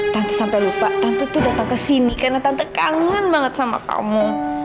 tante sampai lupa tante tuh datang ke sini karena tante kangen banget sama kamu